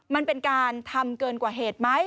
มันเป็นการทำเกินกว่าเหตุไหม